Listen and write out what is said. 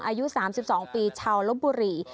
อายุ๓๒ปีชาวลบบุรี